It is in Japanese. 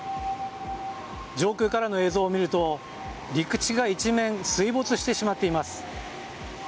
上空からの映像を見ると陸地が一面水没してしまっています。